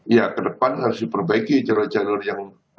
ya kedepan harus diperbaiki jalur jalur yang